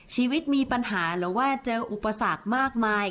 ชีวิตมีปัญหาหรือว่าเจออุปสรรคมากมาย